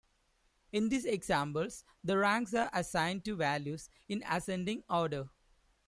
In these examples, the ranks are assigned to values in ascending order.